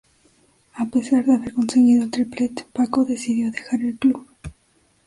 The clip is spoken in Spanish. A pesar de haber conseguido el triplete, Pako decidió dejar el club.